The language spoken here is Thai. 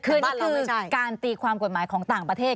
คือนี่คือการตีความกฎหมายของต่างประเทศ